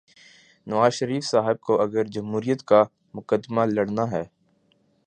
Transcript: نواز شریف صاحب کو اگر جمہوریت کا مقدمہ لڑنا ہے۔